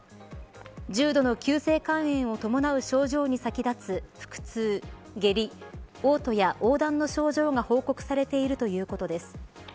重度の急性肝炎を伴う症状に先立つ腹痛、下痢、おう吐や黄疸の症状が報告されているということです。